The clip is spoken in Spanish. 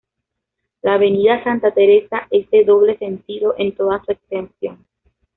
La Avenida Santa Teresa es de doble sentido en toda su extensión.